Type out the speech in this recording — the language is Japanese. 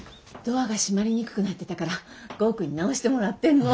ドアが閉まりにくくなってたから剛くんに直してもらってるの。